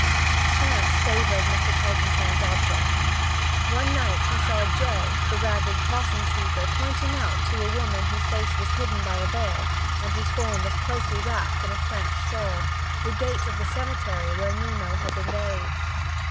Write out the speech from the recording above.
Chance favored Mr. Tulkinghorn's object. One night he saw Joe, the ragged crossing sweeper pointing out to a woman whose face was hidden by a veil, and whose form was closely wrapped in a French shawl, the gate of the cemetery where Nemo had been buried.